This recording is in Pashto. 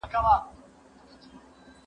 پر سلطان باندي دعاوي اورېدلي